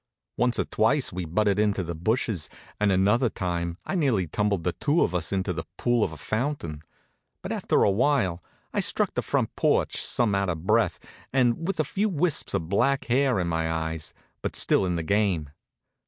Once or twice we butted into the bushes, and another time I near tumbled the two of us into the pool of a fountain; but after awhile I struck the front porch, some out of breath, and with a few wisps of black hair in my eyes, but still in the game.